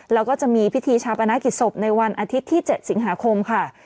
แล้วก็จะมีพิธีชาปนกิจศพในวันอาทิตย์ที่๗สิงหาคมค่ะ